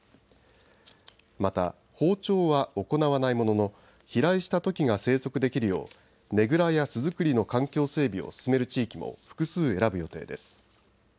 また放鳥は行わないものの飛来したトキが生息できるようねぐらや巣作りの環境整備を進める地域も複数、選ぶ予定です。